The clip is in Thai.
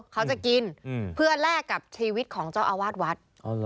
เขาจะกินเพื่อแลกกับชีวิตของเจ้าอาวาสวัด